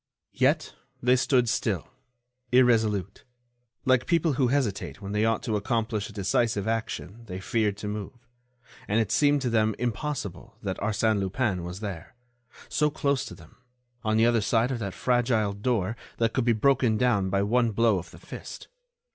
Yet, they stood still, irresolute. Like people who hesitate when they ought to accomplish a decisive action they feared to move, and it seemed to them impossible that Arsène Lupin was there, so close to them, on the other side of that fragile door that could be broken down by one blow of the fist.